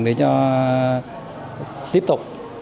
để cho tiếp tục